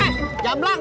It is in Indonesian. hei jangan bang